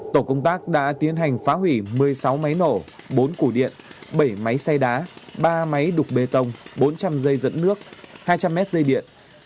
tổ công tác đã tiến hành phá hủy một mươi sáu máy nổ bốn củ điện bảy máy xay đá ba máy đục bê tông bốn trăm linh dây dẫn nước hai trăm linh mét dây điện